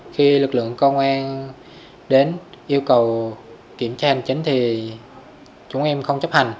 khi lực lượng công an đến yêu cầu kiểm tra hành chính thì chúng em không chấp hành